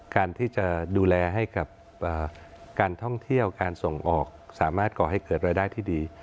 การที่จะดูแลให้กับการท่องเที่ยวการส่งออกสามารถก่อให้เกิดรายได้ที่ดี